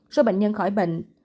số bệnh nhân khỏi bệnh